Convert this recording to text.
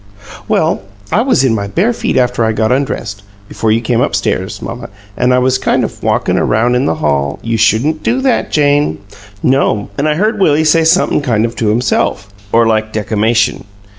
"Well, I was in my bare feet after I got undressed before you came up stairs mamma, an' I was kind of walkin' around in the hall " "You shouldn't do that, Jane." "No'm. An' I heard Willie say somep'm kind of to himself, or like deckamation.